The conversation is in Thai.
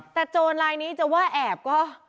แต่โจรลายนี้จะว่าแอบก็